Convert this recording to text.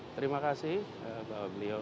terima kasih pak wablio